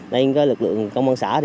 nên lực lượng công an xã